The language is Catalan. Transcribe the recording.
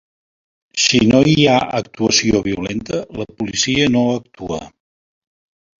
Si no hi ha actuació violenta, la policia no actua.